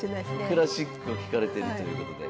クラシックを聴かれてるということで。